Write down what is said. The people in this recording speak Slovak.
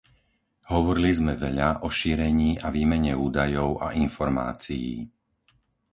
Hovorili sme veľa o šírení a výmene údajov a informácií.